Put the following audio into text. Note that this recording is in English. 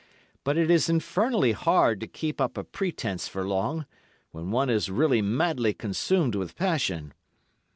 But it is infernally hard to keep up a pretence for long, when one is really madly consumed with passion.